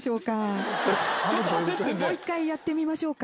もう一回、やってみましょうか。